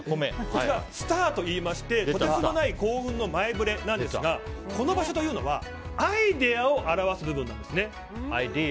スターと言いましてとてつもない幸運の前触れですがこの場所というのはアイデアを表す部分なんですね。